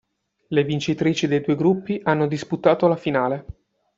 Le vincitrici dei due gruppi hanno disputato la finale.